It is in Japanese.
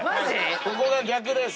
ここが逆です。